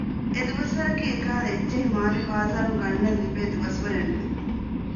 އެ ދުވަސްވަރަކީ އެކަހަލަ އެއްޗެހި މާލޭ ބާޒާރުން ގަންނާން ލިބޭ ދުވަސްވަރެއް ނޫން